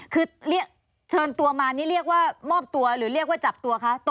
คือเรียกเชิญตัวมานี่เรียกว่ามอบตัวหรือเรียกว่าจับตัวคะ